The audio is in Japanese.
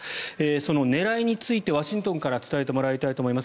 その狙いについてワシントンから伝えてもらいたいと思います。